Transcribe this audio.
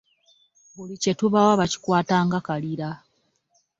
Buli kye tubawa bakikwata nga kalira.